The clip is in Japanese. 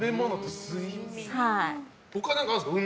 他は何かあるんですか？